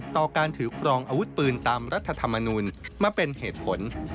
ต่อการถือครองอาวุธปืนตามรัฐธรรมนูลมาเป็นเหตุผล